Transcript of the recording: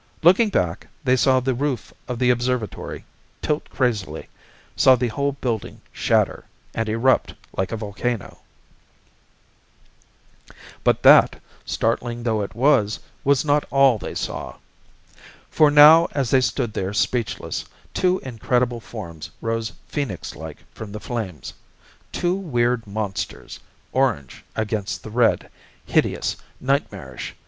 Looking back, they saw the roof of the observatory tilt crazily; saw the whole building shatter, and erupt like a volcano. But that, startling though it was, was not all they saw. For now, as they stood there speechless, two incredible forms rose phoenix like from the flames two weird monsters, orange against the red, hideous, nightmarish.